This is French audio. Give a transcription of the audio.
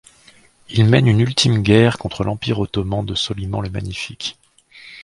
Il mène une ultime guerre contre l'Empire ottoman de Soliman le Magnifique.